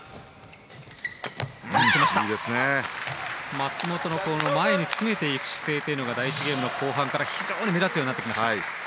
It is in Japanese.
松本の前に詰めていく姿勢というのが第１ゲームの後半から非常に目立つようになりました。